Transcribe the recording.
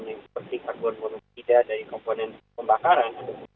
seperti karbon monokida dari komponen pembakaran